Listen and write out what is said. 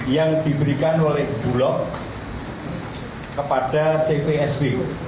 yang diberikan oleh bulog kepada cvsb